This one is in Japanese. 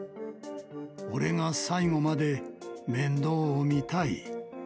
俺が最後まで面倒を見たい。